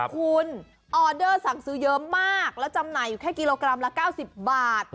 คุณออเดอร์สั่งซื้อเยอะมากแล้วจำหน่ายอยู่แค่กิโลกรัมละ๙๐บาท